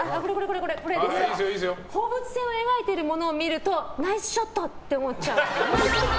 放物線を描いてるものを見るとナイスショット！って思っちゃう。